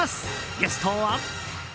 ゲストは。